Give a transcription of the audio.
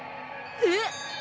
えっ！？